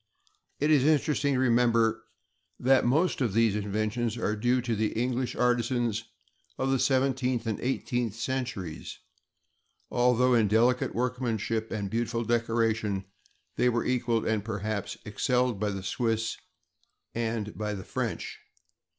It is interesting to remember that most of these inventions are due to the English artisans of the seventeenth and eighteenth centuries, although in delicate workmanship and beautiful decoration, they were equaled and perhaps excelled by the Swiss and by the French.